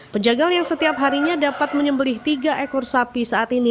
penjagal yang setiap harinya dapat menyembelih tiga ekor sapi saat ini